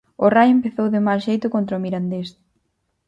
O Raio empezou de mal xeito contra o mirandés.